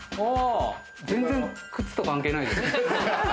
全然、靴と関係ないですね。